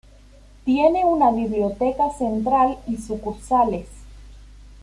Tiene una biblioteca central y sucursales.